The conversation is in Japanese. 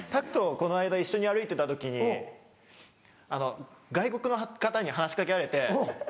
この間一緒に歩いてた時に外国の方に話し掛けられてそ